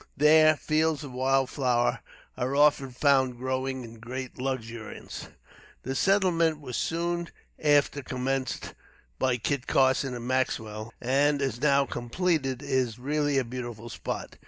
There, fields of wild flowers are often found growing in great luxuriance. The settlement was soon after commenced by Kit Carson and Maxwell, and, as now completed, is really a beautiful spot.